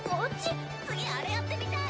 次あれやってみたい。